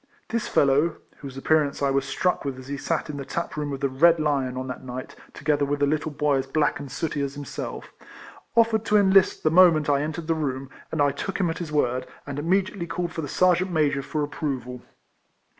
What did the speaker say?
This fellow (whose appearance I was struck with as he sat in the taproom of the "Red Lion " on that night, together with a little boy as black and sooty as him self) ofi'ered to enlist the moment I entered the room, and I took him at his word, and RIFLEMAN HARRIS. 243 immediately called for the Sergeant Major for approval.